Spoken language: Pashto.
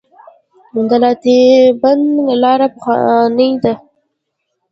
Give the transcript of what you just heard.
د لاتابند لاره پخوانۍ وه